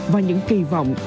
và những kỳ vọng